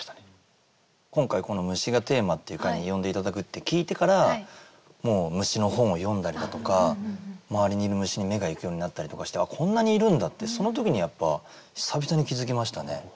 今回この「虫」がテーマっていう回に呼んで頂くって聞いてから虫の本を読んだりだとか周りにいる虫に目がいくようになったりとかしてこんなにいるんだってその時にやっぱ久々に気付きましたね。